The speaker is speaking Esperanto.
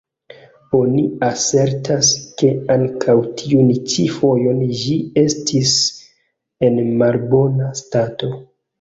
Oni asertas, ke ankaŭ tiun ĉi fojon ĝi estis en malbona stato.